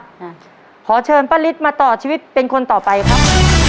ค่ะขอเชิญป้าฤทธิ์มาต่อชีวิตเป็นคนต่อไปครับ